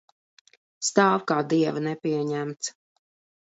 Stāv kā dieva nepieņemts.